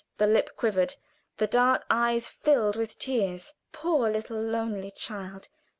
The lip quivered, the dark eyes filled with tears. Poor little lonely child!